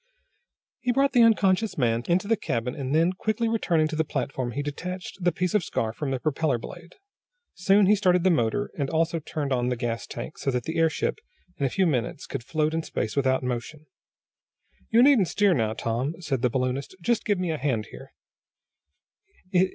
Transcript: He brought the unconscious man into the cabin, and then, quickly returning to the platform, he detached the piece of scarf from the propeller blade. Next he started the motor, and also turned on the gas tank, so that the airship, in a few minutes, could float in space without motion. "You needn't steer now, Tom," said the balloonist. "Just give me a hand here."